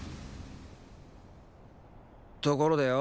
ところでよ